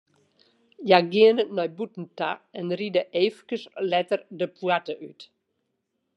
Hja geane nei bûten ta en ride eefkes letter de poarte út.